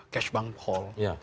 cash bank paul